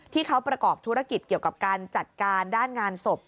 ที่เขาประกอบธุรกิจเกี่ยวกับการจัดการด้านงานศพ